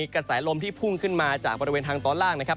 กระแสลมที่พุ่งขึ้นมาจากบริเวณทางตอนล่างนะครับ